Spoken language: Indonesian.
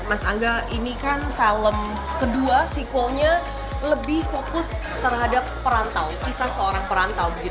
mas angga ini kan film kedua sequelnya lebih fokus terhadap perantau kisah seorang perantau